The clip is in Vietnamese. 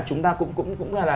chúng ta cũng là